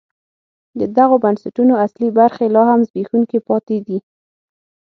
د دغو بنسټونو اصلي برخې لا هم زبېښونکي پاتې دي.